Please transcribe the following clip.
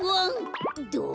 どう？